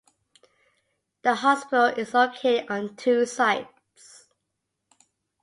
The hospital is located on two sites.